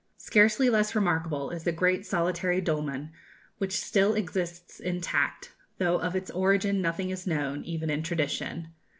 Scarcely less remarkable is the great solitary dolmen, which still exists intact, though of its origin nothing is known, even in tradition.